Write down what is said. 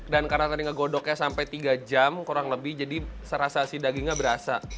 dan karena tadi ngegodoknya sampai tiga jam kurang lebih jadi serasa si dagingnya berasa